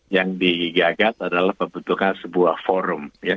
yang digagas adalah membutuhkan sebuah forum ya